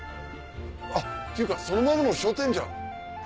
あっていうかそのままの書店じゃん。